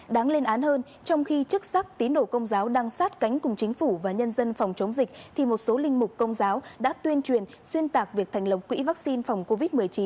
đáng lên án hơn trong khi chức sắc tín đồ công giáo đang sát cánh cùng chính phủ và nhân dân phòng chống dịch thì một số linh mục công giáo đã tuyên truyền xuyên tạc việc thành lập quỹ vaccine phòng covid một mươi chín